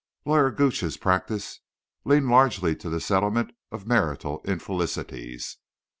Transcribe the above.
Lawyer Gooch's practice leaned largely to the settlement of marital infelicities.